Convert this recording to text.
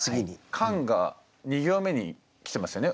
「寒」が２行目に来てますよね